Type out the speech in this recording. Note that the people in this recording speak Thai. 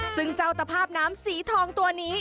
ซึ่งเจ้าตภาพน้ำสีทองตัวนี้